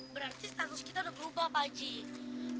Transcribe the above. berarti status kita udah berubah budget